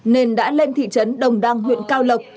nên đã lên thị trấn đồng đăng huyện cao lộc